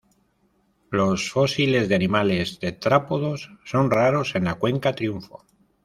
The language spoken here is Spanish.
Los fósiles de animales tetrápodos son raros en la Cuenca Triunfo.